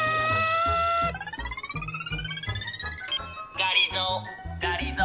がりぞーがりぞー。